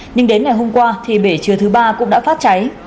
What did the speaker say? nhưng đến ngày hôm qua thì bể chứa thứ ba cũng đã phát cháy